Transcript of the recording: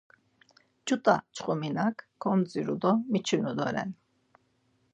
Ç̌ut̆a çxominak komdziru do miçinu doren.